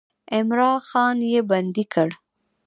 عمرا خان یې بندي کړ.